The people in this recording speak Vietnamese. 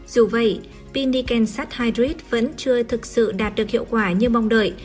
dù vậy pin niken sust hydrate vẫn chưa thực sự đạt được hiệu quả như mong đợi